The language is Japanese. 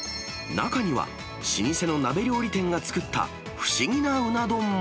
中には、老舗のなべ料理店が作った、不思議なうな丼も。